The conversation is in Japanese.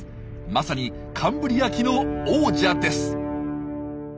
まさにカンブリア紀の王者です。